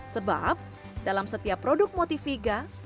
sebab dalam setiap produk motiviga